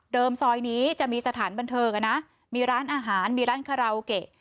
ซอยนี้จะมีสถานบันเทิงมีร้านอาหารมีร้านคาราโอเกะ